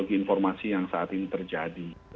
ada banyak informasi yang saat ini terjadi